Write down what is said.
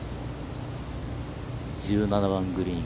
１７番グリーン。